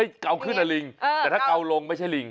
เกาขึ้นอะลิงแต่ถ้าเกาลงไม่ใช่ลิง